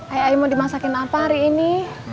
ayah aimo dimasakin apa hari ini